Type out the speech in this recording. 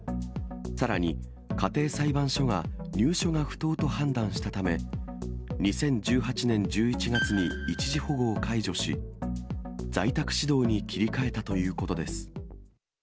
さらに、家庭裁判所が入所が不当と判断したため、２０１８年１１月に一時保護を解除し、在宅指導に切り替えたということです。